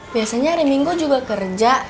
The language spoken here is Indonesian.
biasanya hari minggu juga kerja